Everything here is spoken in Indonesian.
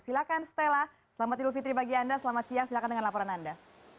silakan stella selamat tidur fitri bagi anda selamat siang silakan dengan laporan anda